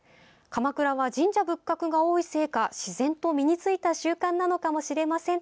鎌倉は神社仏閣が多いせいか自然と身についた習慣なのかもしれません。